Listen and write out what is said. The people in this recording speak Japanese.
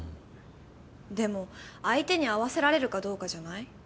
でも相手に合わせられるかどうかじゃない？